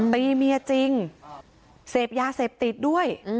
ตีเมียจริงเสพยาเสพติดด้วย